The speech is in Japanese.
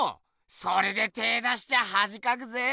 それで手ぇ出しちゃはじかくぜ。